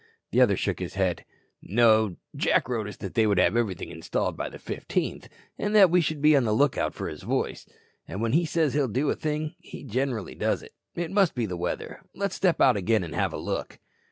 The other shook his head. "No, Jack wrote us they would have everything installed by the 15th and that we should be on the lookout for his voice. And when he says he'll do a thing, he generally does it. It must be the weather. Let's step out again and have a look."